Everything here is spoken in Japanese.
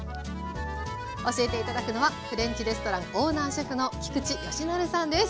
教えて頂くのはフレンチレストランオーナーシェフの菊地美升さんです。